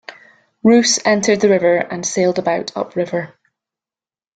Rous entered the river and sailed about up river.